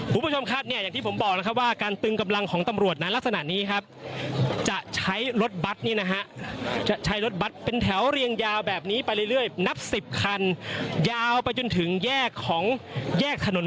คุณผู้ชมคัตเนี่ยอย่างพี่ผมบอกนะครับว่าครั้งตึงกำลังของตำรวจมันลักษณะนี้ครับจะใช้รถบัตรนะครับจะใช้รถบัตรเป็นแถวเรียงยาวแบบนี้ไปเรื่อย